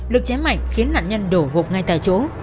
lực chém mạnh khiến nạn nhân đổ gục ngay tại chỗ